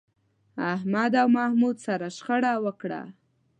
احمد له محمود سره شخړه وکړه.